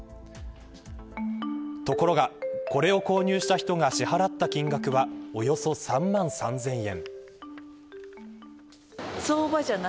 ところが、これを購入した人が支払った金額はおよそ３万３０００円。